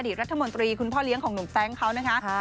รัฐมนตรีคุณพ่อเลี้ยงของหนุ่มแต๊งเขานะคะ